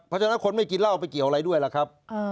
เพราะฉะนั้นคนไม่กินเหล้าไปเกี่ยวอะไรด้วยล่ะครับ